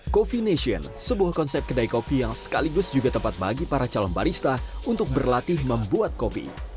coffee nation sebuah konsep kedai kopi yang sekaligus juga tempat bagi para calon barista untuk berlatih membuat kopi